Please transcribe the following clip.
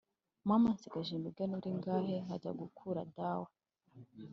mama nsigaje imiganura ingahe nkajya gukura dawe"